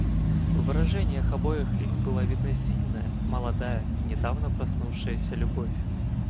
В выражениях обоих лиц была видна сильная, молодая, недавно проснувшаяся любовь.